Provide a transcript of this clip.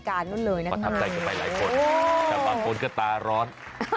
ถ้าบางคนก็ตาร้อน